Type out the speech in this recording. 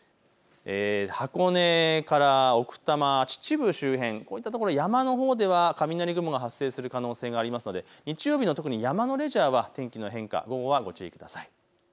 箱根から奥多摩、秩父周辺、こういったところ山のほうでは雷雲が発生する予想がありますので日曜日、特に山のレジャーは天気の変化、午後はご注意ください。